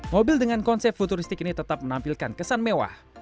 mobil dengan konsep futuristik ini tetap menampilkan kesan mewah